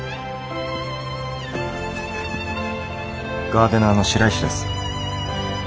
ガーデナーの白石です。